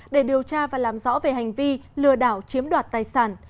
để điều tra và làm rõ về hành vi lừa đảo chiếm đoạt tài sản